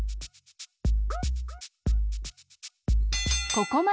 ここまで！